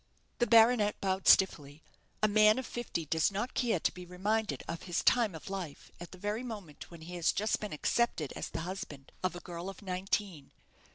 The baronet bowed stiffly. A man of fifty does not care to be reminded of his time of life at the very moment when he has just been accepted as the husband of a girl of nineteen.